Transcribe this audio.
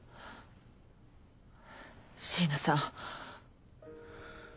椎名さん。